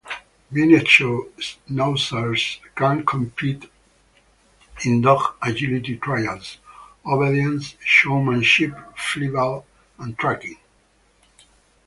Miniature Schnauzers can compete in dog agility trials, obedience, showmanship, flyball, and tracking.